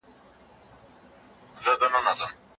په پلي مزل کې ناسم فکرونه نه روزل کېږي.